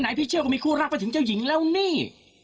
ไหนพี่เชี่ยวก็มีคู่รักมาถึงเจ้าหญิงแล้วนี่